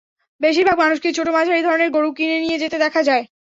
বেশির ভাগ মানুষকেই ছোট-মাঝারি ধরনের গরু কিনে নিয়ে যেতে দেখা যায়।